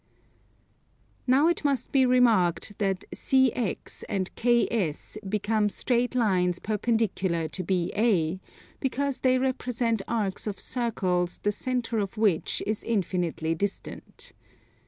Now it must be remarked that CX and KS become straight lines perpendicular to BA, because they represent arcs of circles the centre of which is infinitely distant.